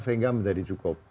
sehingga menjadi cukup